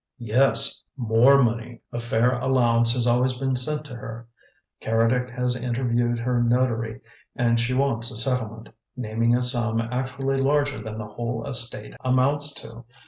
"Yes, MORE money; a fair allowance has always been sent to her. Keredec has interviewed her notary and she wants a settlement, naming a sum actually larger than the whole estate amounts to.